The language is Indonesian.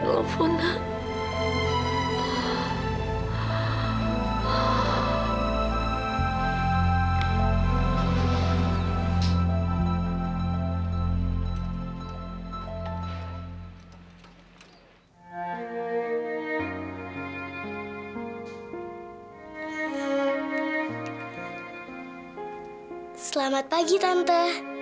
selamat pagi tante